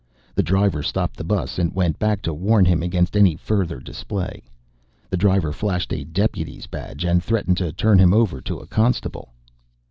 The driver stopped the bus and went back to warn him against any further display. The driver flashed a deputy's badge and threatened to turn him over to a constable.